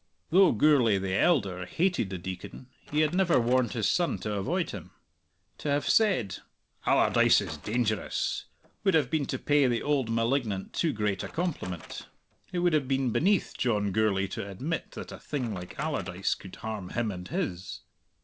Though Gourlay the elder hated the Deacon, he had never warned his son to avoid him. To have said "Allardyce is dangerous" would have been to pay the old malignant too great a compliment; it would have been beneath John Gourlay to admit that a thing like Allardyce could harm him and his.